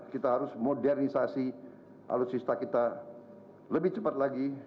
kita harus modernisasi alutsista kita lebih cepat lagi